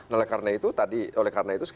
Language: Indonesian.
oleh karena itu sekali lagi